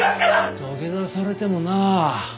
土下座されてもなあ。